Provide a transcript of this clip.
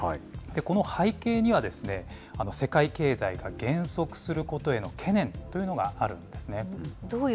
この背景には、世界経済が減速することへの懸念というのがあるんですね。